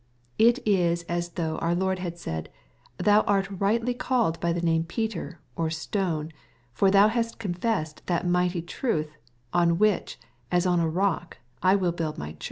It is as though our Lord had said, " Thou art rightly called by the name Peter, or stone, for thou hast confessed that mighty truth, on which, as on a rock, I will build my church."